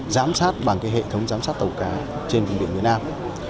giám sát bằng hệ thống giám sát tàu cá trên vùng biển miền nam